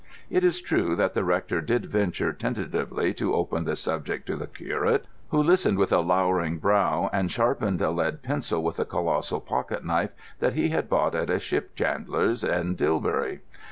It is true that the rector did venture tentatively to open the subject to the curate, who listened with a lowering brow and sharpened a lead pencil with a colossal pocket knife that he had bought at a ship chandler's in Dilbury.